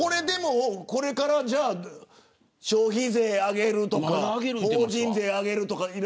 これから消費税を上げるとか法人税上げるとか。